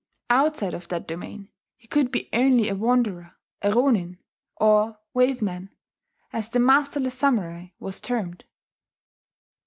Outside of that domain he could be only a wanderer, a ronin, or "wave man," as the masterless samurai was termed.